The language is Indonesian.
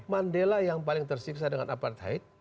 mandela yang paling tersiksa dengan apartheid